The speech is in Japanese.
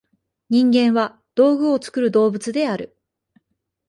人間は「道具を作る動物」である。